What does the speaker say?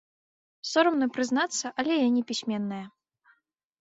Сорамна прызнацца, але я непісьменная.